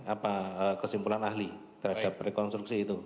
apa kesimpulan ahli terhadap rekonstruksi itu